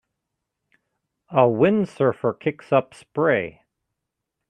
A windsurfer kicks up spray